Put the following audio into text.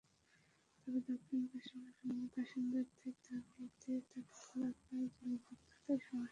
তবে দক্ষিণ পাশের বাসিন্দাদের দাবি, এতে তাঁদের এলাকায় জলাবদ্ধতার সমস্যা প্রকট হয়েছে।